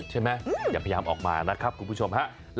ใช่ไหมอย่าพยายามออกมานะครับคุณผู้ชม